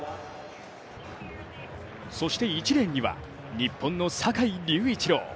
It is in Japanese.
そして１レーンには、日本の坂井隆一郎。